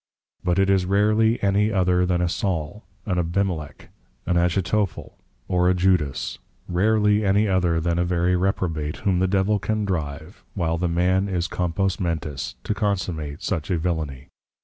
_ But it is rarely any other than a Saul, an Abimelek, an Achitophel, or a Judas; rarely any other, than a very Reprobate, whom the Devil can drive, while the man is Compos Mentis, to Consummate such a Villany.